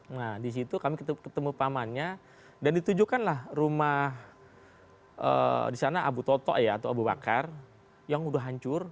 nah di situ kami ketemu pamannya dan ditujukanlah rumah di sana abu toto atau abu bakar yang sudah hancur